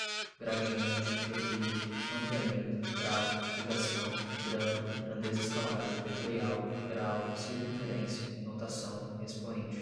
gradiente, declive, rampeamento, gráfico, ligação, grama, grandeza escalar, vetorial, grau, circunferência, notação, expoente